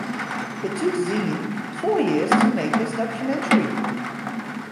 It took Zein four years to make this documentary.